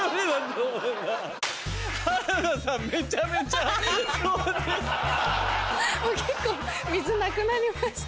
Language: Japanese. もう結構水なくなりましたね。